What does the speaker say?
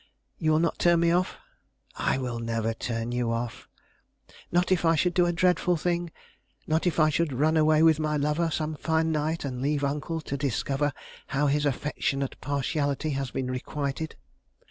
You will not turn me off?" "I will never turn you off." "Not if I should do a dreadful thing? Not if I should run away with my lover some fine night, and leave uncle to discover how his affectionate partiality had been requited?"